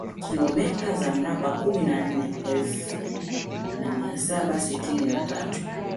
Kilomita za mraba kumi na nne elfu na mia saba sitini na tatu